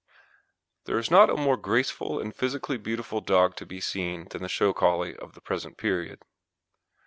There is not a more graceful and physically beautiful dog to be seen than the show Collie of the present period.